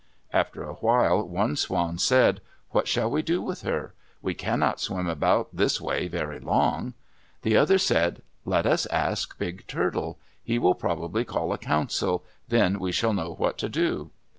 After a while one swan said, "What shall we do with her? We cannot swim about this way very long." The other said, "Let us ask Big Turtle. He will probably call a council. Then we shall know what to do."